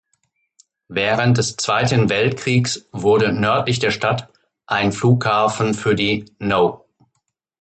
Während des Zweiten Weltkriegs wurde nördlich der Stadt ein Flughafen für die "No.